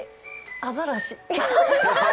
アザラシ？